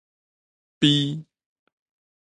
觱